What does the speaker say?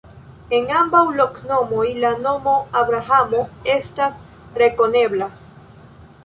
En ambaŭ loknomoj la nomo Abrahamo estas rekonebla.